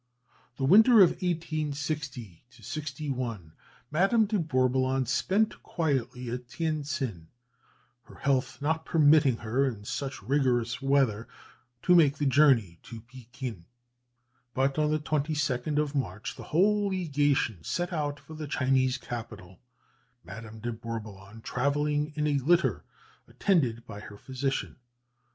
[Illustration: PEKIN.] The winter of 1860 61 Madame de Bourboulon spent quietly at Tien tsin, her health not permitting her, in such rigorous weather, to make the journey to Pekin; but on the 22nd of March the whole legation set out for the Chinese capital, Madame de Bourboulon travelling in a litter, attended by her physician.